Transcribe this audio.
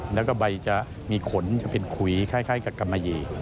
แล้วก็ใบจะมีขนจะเป็นขุยคล้ายกับกำมะยี